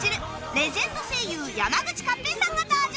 レジェンド声優山口勝平さんが登場